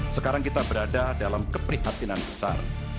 sekarang kita berada dalam keprihatinan besar